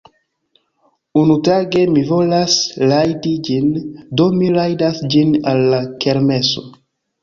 Unutage mi volas rajdi ĝin, Do mi rajdas ĝin al la kermeso